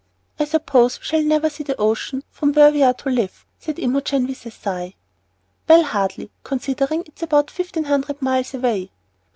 "I suppose we shall never see the ocean from where we are to live," said Imogen, with a sigh. "Well, hardly, considering it's about fifteen hundred miles away."